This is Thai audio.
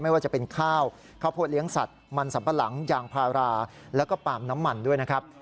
ไม่ว่าจะเป็นข้าวข้าวโพดเลี้ยงสัตว์มันสัมปะหลังยางพาราแล้วก็ปาล์มน้ำมันด้วยนะครับ